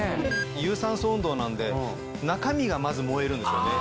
有酸素運動なんで中身がまず燃えるんですよね。